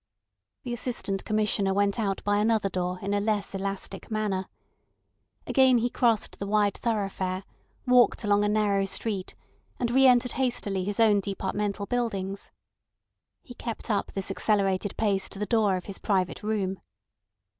The Assistant Commissioner went out by another door in a less elastic manner. Again he crossed the wide thoroughfare, walked along a narrow street, and re entered hastily his own departmental buildings. He kept up this accelerated pace to the door of his private room.